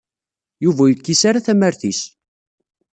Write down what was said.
Yuba ur yekkis ara tamart-is.